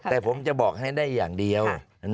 แต่ผมจะบอกให้ได้อย่างเดียว